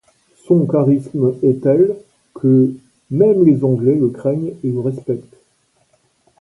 Son charisme est tel que, même les Anglais le craignent et le respectent.